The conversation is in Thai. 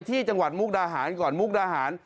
จังหวัดมุกดาหารก่อนมุกดาหาร